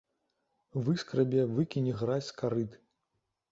Выскрабе, выкіне гразь з карыт.